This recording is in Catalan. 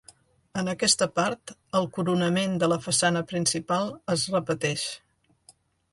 En aquesta part, el coronament de la façana principal es repeteix.